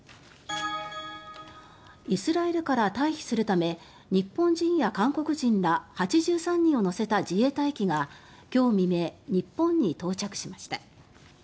イスラエルから退避するため日本人や韓国人ら８３人を乗せた自衛隊機が今日未明、日本に到着しました。